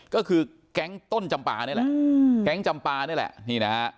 ก็คือแก๊งต้นจำปานี่แหละแก๊งจำปานี่แหละนี่นะฮะ